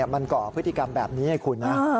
มันก่อพฤติกรรมแบบนี้ให้คุณนะ